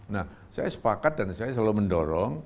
nah saya sepakat dan saya selalu mendorong